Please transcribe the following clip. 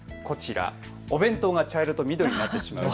お弁当が茶色と緑になってしまう。